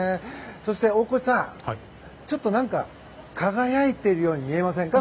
そして大越さん、ちょっと何か輝いているように見えませんか？